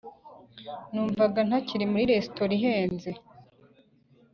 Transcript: numvaga ntakiri muri resitora ihenze.